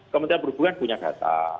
kementerian perhubungan punya data